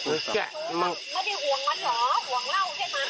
เอาเอา